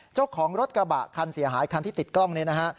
เจ้าของรถกระบะคันเสียหายคันที่ติดกล้องนี้นะฮะ